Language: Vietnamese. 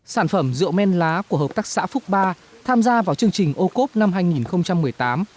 sản phẩm rượu men lá của hợp tác xã phúc ba tham gia vào chương trình ô cốp năm hai nghìn